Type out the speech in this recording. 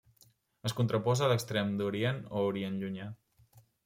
Es contraposa a l'Extrem Orient o Orient Llunyà.